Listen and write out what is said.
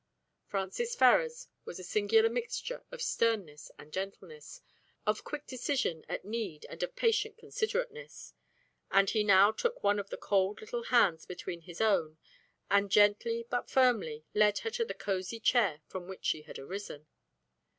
Francis Ferrars was a singular mixture of sternness and gentleness, of quick decision at need and of patient considerateness, and he now took one of the cold little hands between his own, and gently but firmly led her to the cosy chair from which she had arisen.